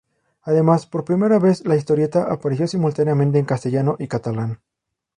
Además por primera vez la historieta apareció simultáneamente en castellano y catalán.